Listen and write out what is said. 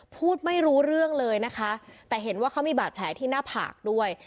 พูดไม่รู้เรื่องเลยนะคะแต่เห็นว่าเขามีบาดแผลที่หน้าผากด้วย